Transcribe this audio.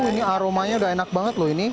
ini aromanya udah enak banget loh ini